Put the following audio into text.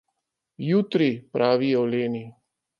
Jutri, pravijo leni.